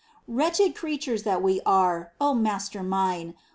3. Wretched creatures that we are, O Master mine